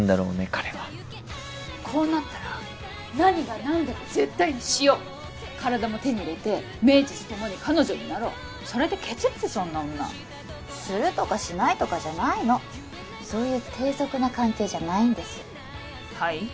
彼はこうなったら何が何でも絶対にシよう体も手に入れて名実ともに彼女になろうそれで蹴散らせそんな女スるとかシないとかじゃないのそういう低俗な関係じゃないんですはい？